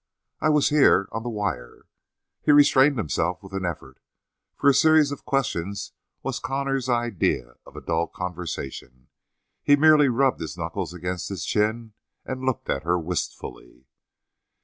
"I was here on the wire." He restrained himself with an effort, for a series of questions was Connor's idea of a dull conversation. He merely rubbed his knuckles against his chin and looked at her wistfully.